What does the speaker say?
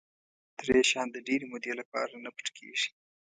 درې شیان د ډېرې مودې لپاره نه پټ کېږي.